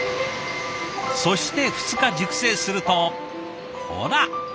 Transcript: そして２日熟成するとほら！